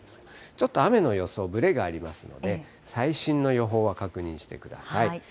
ちょっと雨の予想、ぶれがありますので、最新の予報は確認してください。